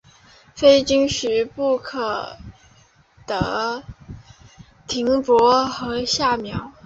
非经许可不得停泊和下锚。